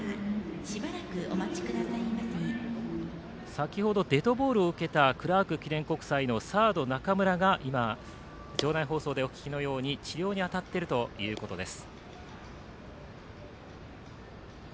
先ほどデッドボールを受けたクラーク記念国際のサード中村が今治療に当たっているということです。